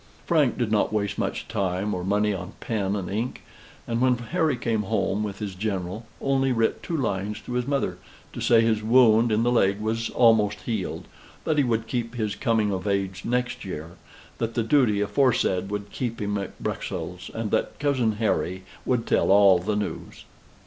Frank did not waste much time or money on pen and ink; and, when Harry came home with his General, only writ two lines to his mother, to say his wound in the leg was almost healed, that he would keep his coming of age next year that the duty aforesaid would keep him at Bruxelles, and that Cousin Harry would tell all the news.